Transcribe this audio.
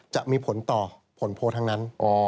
จะมีผลต่อผลโพลทั้งนั้น